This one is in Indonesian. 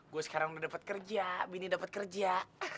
gue sekarang udah dapat kerja bini dapat kerja